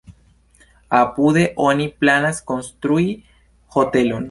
Apude oni planas konstrui hotelon.